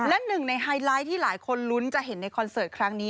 และหนึ่งในไฮไลท์ที่หลายคนลุ้นจะเห็นในคอนเสิร์ตครั้งนี้